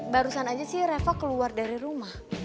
barusan aja sih reva keluar dari rumah